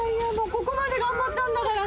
ここまで頑張ったんだから。